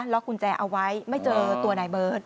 กุญแจเอาไว้ไม่เจอตัวนายเบิร์ต